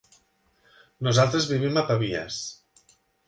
Nosaltres vivim a Pavies.